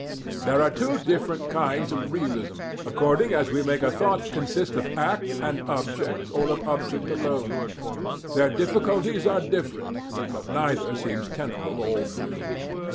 There are two different kinds of realism, according as we make a thought consist of act and object, or of object alone. Their difficulties are different, but neither seems tenable all through.